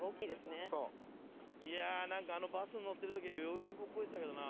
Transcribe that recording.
いやなんかあのバスに乗ってる時は余裕ぶっこいてたけどな。